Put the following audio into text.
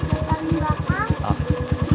perempuan emang susah di mengerti